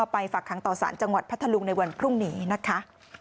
ฝากค้างต่อสารจังหวัดพัทธลุงในวันพรุ่งนี้นะคะ